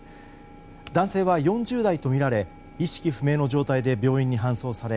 男性は４０代とみられ意識不明の状態で病院に搬送され